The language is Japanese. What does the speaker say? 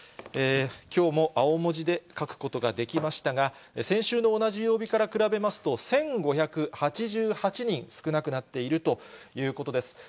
きょうも青文字で書くことができましたが、先週の同じ曜日から比べますと、１５８８人少なくなっているということです。